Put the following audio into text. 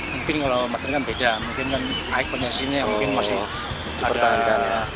mungkin kalau matt halil kan beda mungkin kan ikonnya sini masih ada prioritas